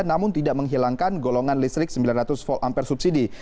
namun tidak menghilangkan golongan listrik sembilan ratus volt ampere subsidi